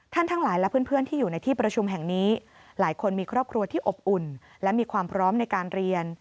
ทั้งหลายและเพื่อนที่อยู่ในที่ประชุมแห่งนี้หลายคนมีครอบครัวที่อบอุ่นและมีความพร้อมในการเรียน